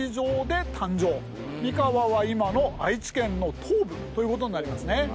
三河は今の愛知県の東部ということになりますね。